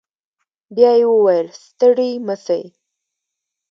بيا يې وويل ستړي مه سئ.